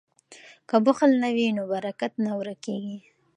که بخل نه وي نو برکت نه ورکیږي.